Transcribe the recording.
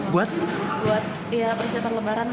buat ya persiapan lebaran